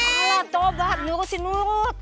alah tobat nurut sih nurut